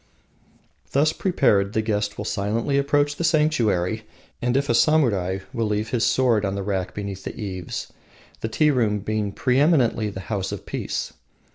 Thus prepared the guest will silently approach the sanctuary, and, if a samurai, will leave his sword on the rack beneath the eaves, the tea room being preeminently the house of peace.